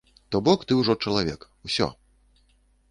То бок ты ўжо чалавек, усё!